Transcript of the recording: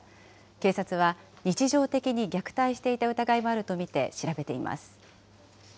警察は、日常的に虐待していた疑いもあると見て調べています。